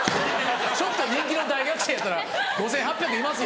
ちょっと人気の大学生やったら５８００いますよ。